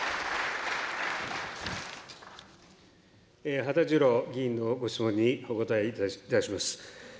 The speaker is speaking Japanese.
羽田次郎議員のご質問にお答えいたします。